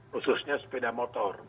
khususnya sepeda motor